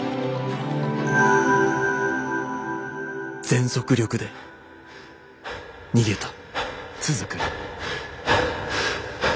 「全速力で逃げた」。